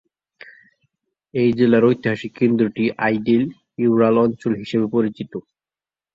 এই জেলার ঐতিহাসিক কেন্দ্রটি আইডেল-ইউরাল অঞ্চল হিসাবে পরিচিত।